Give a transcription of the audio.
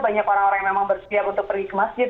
banyak orang orang yang memang bersiap untuk pergi ke masjid